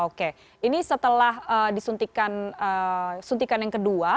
oke ini setelah disuntikan suntikan yang kedua